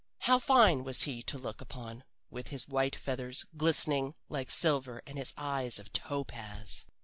How fine was he to look upon, with his white feathers glistening like silver and his eyes of topaz!